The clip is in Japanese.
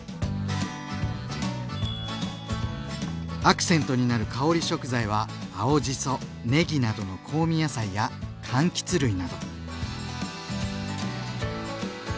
アクセントになる香り食材は青じそねぎなどの香味野菜や柑橘類など。